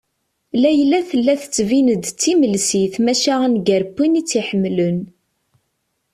Layla tella tettbin-d timelsit maca a nnger n win i tt-iḥemmlen.